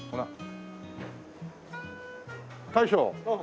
大将。